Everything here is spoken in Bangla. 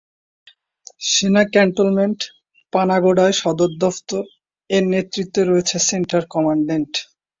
সেনা ক্যান্টনমেন্ট, পানাগোডায় সদর দফতর, এর নেতৃত্বে রয়েছেন সেন্টার কমান্ড্যান্ট।